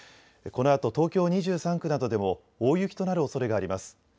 このあと東京２３区などでも大雪となるおそれがあります。